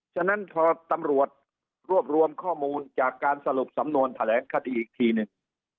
ฉะนั้นพอตำรวจรวบรวมข้อมูลจากการสรุปสำนวนแถลงคดีอีกทีหนึ่ง